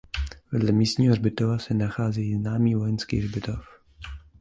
Vedle místního hřbitova se nachází známý vojenský hřbitov.